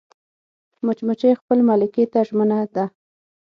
مچمچۍ خپل ملکې ته ژمنه ده